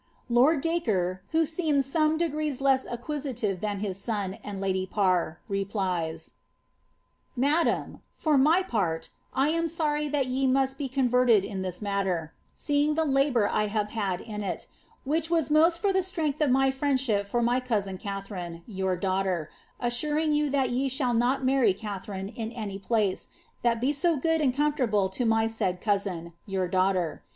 Lord Dacre, who seems some degrees less acquisitive than his son and the lady Parr, replies :— *]lBdani| '^For my part, I am soriy that yo be thus converted in this matter, seeing the libour I have had in it which was most for the strength of my friendship for my cousin Katharine, your daughter, assuring you ihat ye shall not marry Katha line in any place that be so good and comfortable to my said cousin, your daugh> ler.